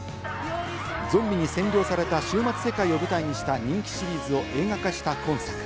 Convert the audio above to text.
ゾンビに占領された終末世界を舞台にした人気シリーズを映画化した今作。